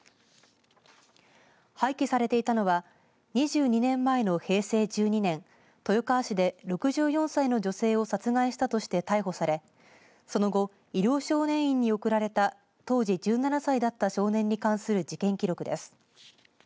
廃棄されていたのは、２２年前の平成１２年、豊川市で６４歳の女性を殺害したとして逮捕されその後、医療少年院に送られた当時１７歳だった少年に関する事件記録です。